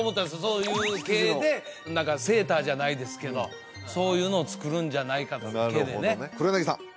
そういう系で何かセーターじゃないですけどそういうのを作るんじゃないかと毛でね黒柳さん